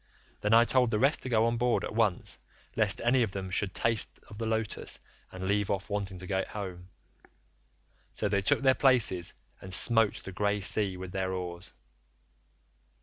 Then I told the rest to go on board at once, lest any of them should taste of the lotus and leave off wanting to get home, so they took their places and smote the grey sea with their oars.